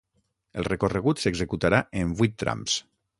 El recorregut s’executarà en vuit trams.